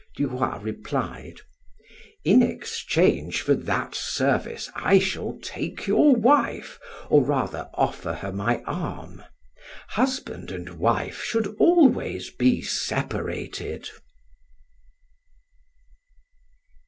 Du Roy replied: "In exchange for that service I shall take your wife, or rather offer her my arm. Husband and wife should always be separated."